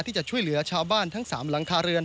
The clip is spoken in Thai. ที่จะช่วยเหลือชาวบ้านทั้ง๓หลังคาเรือน